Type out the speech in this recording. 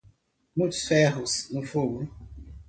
Muitos ferros no fogo.